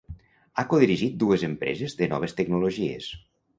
Ha codirigit dues empreses de noves tecnologies.